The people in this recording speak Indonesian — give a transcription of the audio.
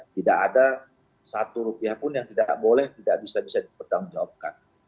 tidak ada satu rupiah pun yang tidak boleh tidak bisa bisa dipertanggungjawabkan